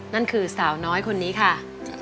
นั่นคือสาวน้อยคนนี้ค่ะ